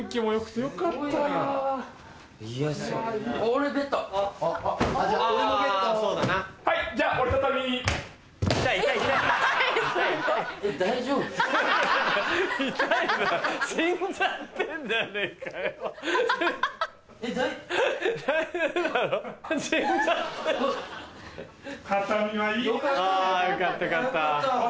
よかったよかった。